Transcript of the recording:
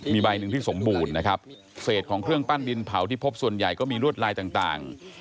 มีใบหนึ่งที่สมบูรณ์นะครับเศษของเครื่องปั้นดินเผาที่พบส่วนใหญ่ก็มีลวดลายต่าง